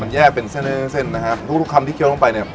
แยกเป็นเส้นเส้นนะฮะทุกทุกคำที่เคี้ยวลงไปเนี่ย